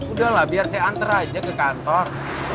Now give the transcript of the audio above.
udahlah biar saya antar aja ke kantor